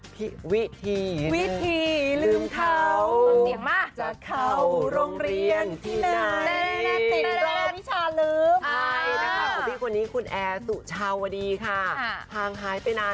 พี่วิถี